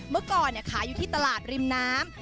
เมื่อก่อนขายอยู่ที่ตลาดริมน้ำ